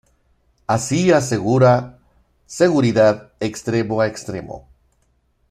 Así asegura seguridad extremo a extremo.